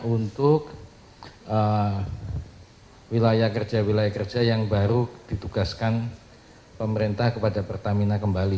untuk wilayah kerja wilayah kerja yang baru ditugaskan pemerintah kepada pertamina kembali